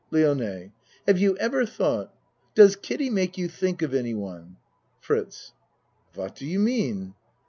LIONE Have you ever thought Does Kiddie make you think of anyone? FRITZ What do you mean?